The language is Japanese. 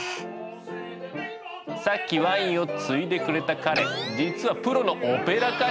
さっきワインをついでくれた彼実はプロのオペラ歌手なんだ。